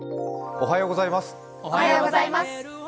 おはようございます。